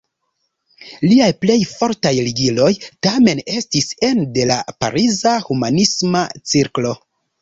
Liaj plej fortaj ligiloj, tamen, estis ene de la pariza humanisma cirklo.